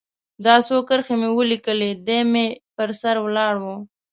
دا څو کرښې مې ولیکلې، دی مې پر سر ولاړ و.